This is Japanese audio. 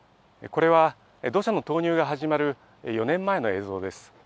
これは土砂の投入が始まる４年前の映像です。